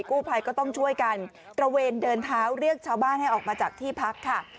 กู้ภัยก็ต้องช่วยกันตระเวนเดินเท้าเรียกชาวบ้านให้ออกมาจากที่พักค่ะ